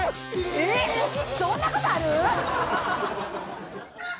えっそんなことある！？